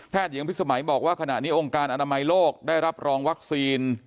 หญิงพิสมัยบอกว่าขณะนี้องค์การอนามัยโลกได้รับรองวัคซีน